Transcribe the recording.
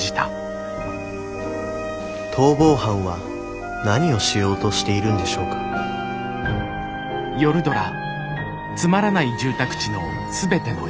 逃亡犯は何をしようとしているんでしょうか博喜は？